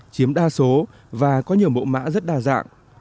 chiếm đa số và có nhiều mẫu mã rất đa dạng